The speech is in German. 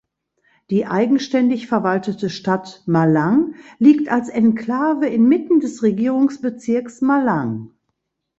Die eigenständig verwaltete Stadt Malang liegt als Enklave inmitten des Regierungsbezirks Malang.